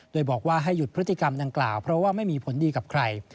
โดยบอกว่าให้หยุดพฤติกรรมดังกล่าวเพราะว่าไม่มีผลดีกับใคร